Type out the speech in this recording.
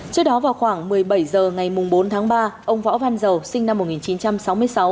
trước đó vào khoảng một mươi bảy h ngày bốn tháng ba ông võ văn dầu sinh năm một nghìn chín trăm sáu mươi sáu